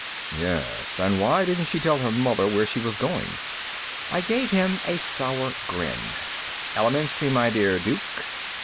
"Yes. And why didn't she tell her mother where she was going?" I gave him a sour grin. "Elementary, my dear Duke.